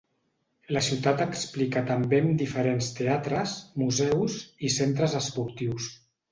La ciutat explica també amb diferents teatres, museus i centres esportius.